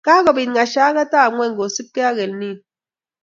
kakopit ng'ashakatabkweny kosupngéi ak Elnin